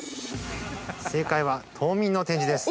◆正解は、冬眠の展示です。